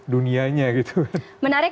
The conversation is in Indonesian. dunianya gitu menarik